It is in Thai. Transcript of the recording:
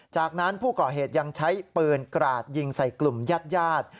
จากนั้นผู้ก่อเหตุยังใช้ปืนกราดยิงใส่กลุ่มญาติญาติ